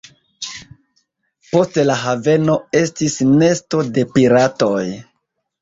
Poste la haveno estis nesto de piratoj.